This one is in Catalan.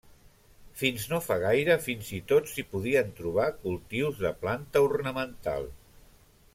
Fins no fa gaire fins i tot s'hi podien trobar cultius de planta ornamental.